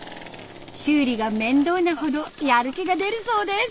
修理が面倒なほどやる気が出るそうです。